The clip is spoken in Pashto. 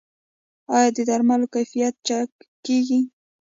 آیا د درملو کیفیت چک کیږي؟